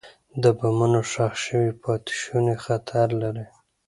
د بمونو ښخ شوي پاتې شوني خطر لري.